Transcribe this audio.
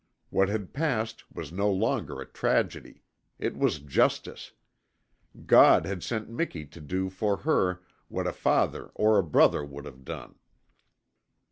What had passed was no longer a tragedy. It was justice. God had sent Miki to do for her what a father or a brother would have done.